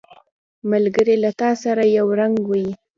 ملګری له تا سره یو رنګ وي